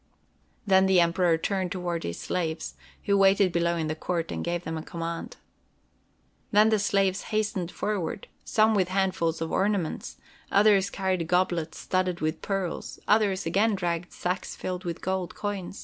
Then the Emperor turned toward his slaves, who waited below in the court, and gave them a command. Then the slaves hastened forward—some with handfuls of ornaments, others carried goblets studded with pearls, other again dragged sacks filled with gold coin.